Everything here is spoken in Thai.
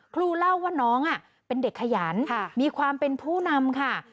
เล่าว่าน้องเป็นเด็กขยันมีความเป็นผู้นำค่ะ